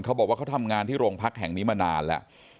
เขาบอกว่าเขาทำงานที่โรงพักแห่งนี้มานานแล้ว